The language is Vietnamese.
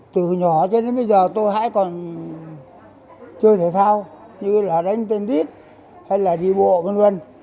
từ nhỏ cho đến bây giờ tôi hãi còn chơi thể thao như là đánh tennis hay là đi bộ v v